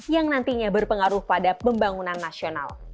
yang nantinya berpengaruh pada pembangunan nasional